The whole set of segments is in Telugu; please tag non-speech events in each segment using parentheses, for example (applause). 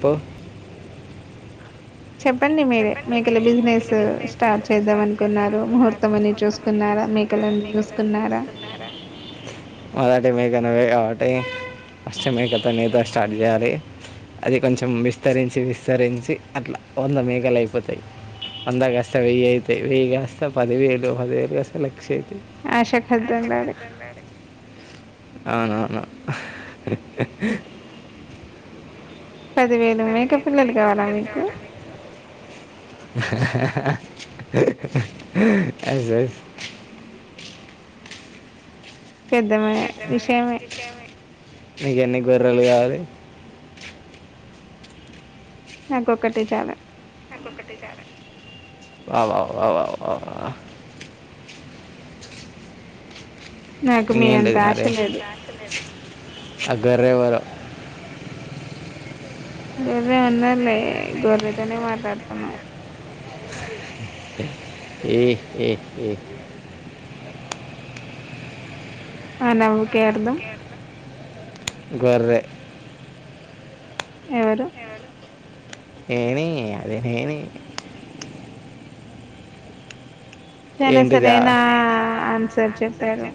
ప్పు చెప్పండి మీరె మేకల బిజినెస్సు స్టార్ట్ చేద్దాం అనుకున్నారు మొత్తం అన్నీ చూస్తున్నారా మేకాలన్ని చూస్తున్నారా ంటమ కనా ఆర్ట (unintelligible) (inaudible) అష్ట మే కథ నేతస్ స్టార్ట్ చేయాలి అది కొంచెం విస్తరించి విస్తరించి అట్లా వంద మేగ అయిపోతాయి వంద కాస్త వెయ్యి అయితయి వెయ్యి కాస్త పదివేలు పదివేలు కాస్త లక్ష ఆశకు హద్దువుండాలి అవునవును పదివేలు మేక పిల్లలు కావాలా మీకు ఎస్ ఎస్ పెద్దమెయి విషయమే నీకు ఎన్ని గొర్రెలు కావాలి నాకు ఒక్కటి చాలు ఒక్కటి చాలు వా వా వా వా వా వా వా నాకు మీ అంత ఆశ లేదు అగొర్రేవరొ గోర్రె ఉన్నడులే గోర్రెతోనే మాట్లాడుతున్న ఏ హే హే ఆ నవ్వుకి అర్ధం గొర్రె ఎవరూ నెేనెే అది నేనే చానా సరైనా ఆన్సర్ చెప్పారు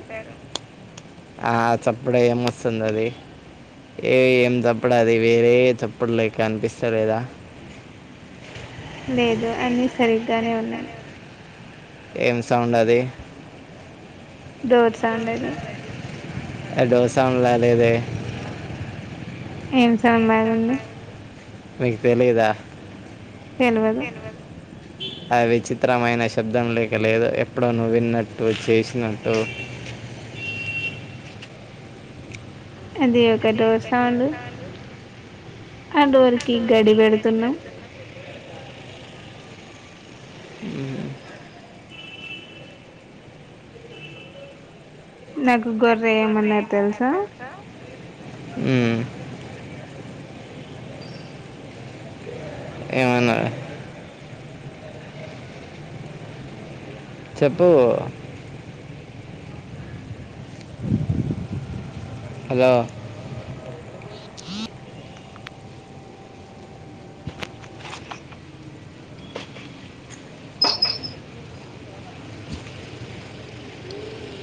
ఆ చప్పుడు ఏంవస్తుంది అది ఏ ఏం చప్పడు అది వేరే చప్పుడు లేక అనిపిస్తది కదా లేదు అన్నీ సరిగ్గానే ఉన్నాయి ఎం సౌండ్ అది డోర్ సౌండది డోర్ సౌండ్ల లేదే ఎం సౌండ్లాగుంది మీకు తెలీదా తెల్వదు (unintelligible) ఆ విచిత్రమైన శబ్దం లేక లేదు ఎప్పుడో నువ్వు విన్నట్టు చేసినట్టు అదే ఒక డోర్ సౌండు అ డోర్ కి గడి పెడుతున్నా నాకు గొర్రె ఏమన్నారు తెలుసా చెప్పు హలో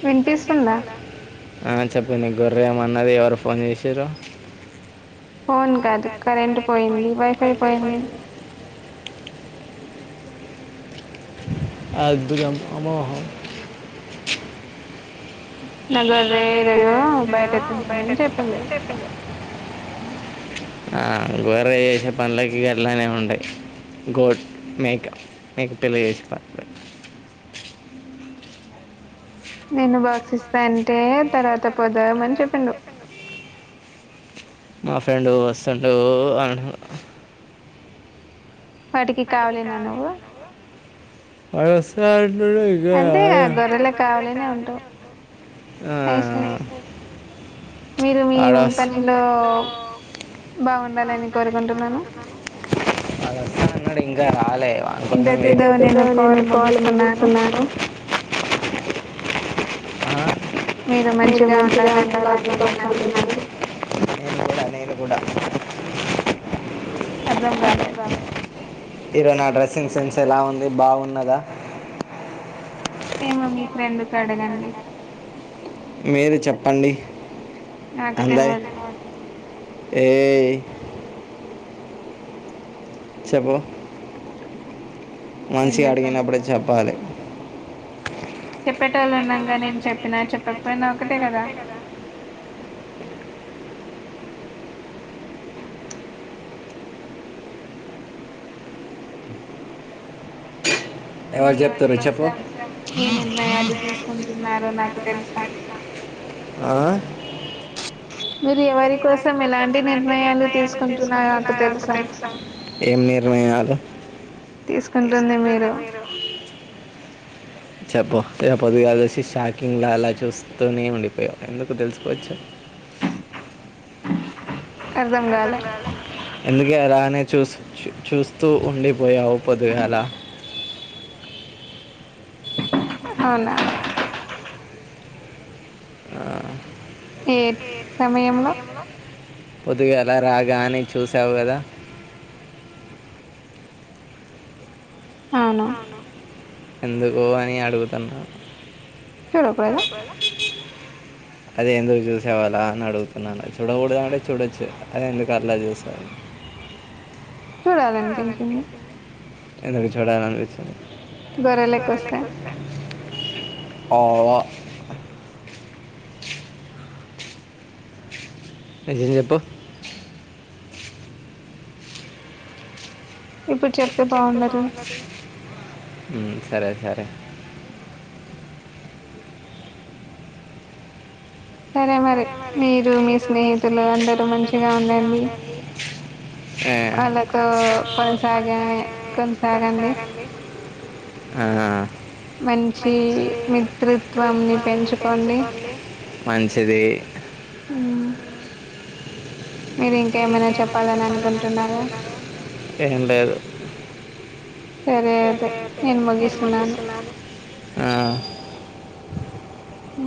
వినిపిస్తుందా ఆ చెప్పండి నీ గుర్రె ఏమన్నది ఎవరు ఫోన్ చేసిర్రు ఫోన్ కాదు కరెంట్ పోయింది వైఫై పోయింది అద్భుతం అమోహం నాగొర్రే ఈ రోజు బయట తిందామని చెప్పిండు ఆ గోర్రె చేసే పనులకి గట్లానే ఉండాయి గోట్ మేక మేక పిల్ల చేసే పనులు నేను బాక్స్ ఇస్తా అంటే తర్వాత పోదామని చెప్పిండు మా ఫ్రెండు వస్తుండు అ (unintelligible) వాటికి కావలినా నువ్వు వసార్ (unintelligible) (unintelligible) ఆ (unintelligible) అడ (unintelligible) (unintelligible) (unintelligible) నేను కాల్ ముగిస్తున్నాను ఆ మీరు మంచిగా ఉండాలని కోంటున్నాను నేను కూడా కూడా అర్థం కాలేదు ఈరోజు నా డ్రెస్సింగ్ సెన్స్ ఎలా ఉంది బాగున్నదా ఏమో మీ ఫ్రెండుకి అడగండి మీరు చెప్పండి నాకు తెలవదు ఏయ్ చెప్పు మంచిగ అడిగినప్పుడే చెప్పాలి చెప్పేటోళ్ళు ఉన్నంగా నేను చెప్పినా చెప్పకయినా ఒకటే కదా మీది ఎవరి పర్సన్ మీ నిర్ణయం ఉంటున్నారో నాకు తెలుసా ఆ మీరు ఎవరి కోసం ఎలాంటి నిర్ణయాలు తీసుకుంటున్న నాకు తెలుసా ఏం నిర్ణయాలు తీసుకుంటుంది మీరు చెప్పు ఎదో పొద్దుగాల చూసి షాకింగ్ లా అలా చూస్తూనే ఉండిపోయావు ఎందుకు తెలుసుకోవచ్చ అర్ధం కాలే ఎందుకు ఇగా రానే చూ చూ చూస్తూ ఉండిపోయావు పొదుగాలా అవునా ఏ సమయంలో పొద్దుగాల రాగానే చూసావు కదా అవున ఎందుకు అని అడుగుతున్న అదే ఎందుకు చూస్ స్తావ్ అలా అని అడుగుతున్నాను అ చూడకూడద అంటే చుడచ్చు అదే ఎందుకట్ల చేస్త్తావ్ చూడాలనిపించింది ఎందుకు చూడాలనిపించింది సరలే కొ ఆ నిజం చెప్పు ఇప్పుడు చెప్ప బాగుండదు సరే సరే సరే మరి మీరు మీ స్నేహితులు అందరూ మంచిగా ఉండండి హ్యే వాళ్ళతో కొనసాగా కొనసాగండి ఆ మంచి మిత్రుత్వంని పెంచుకోండి మంచిది అను నేను ఇంకేమైనా చెప్పాలని అనుకుంటున్నాను ఏం లేదు సరే అదే నేను మగిస్తున్నాను అ